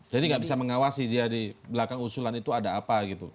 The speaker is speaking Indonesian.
jadi nggak bisa mengawasi dia di belakang usulan itu ada apa gitu